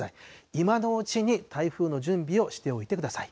今のうちに台風の準備をしておいてください。